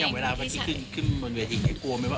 อย่างเวลาบันนี้ขึ้นหมวนเวียนถึงยังไงกลัวไหมว่า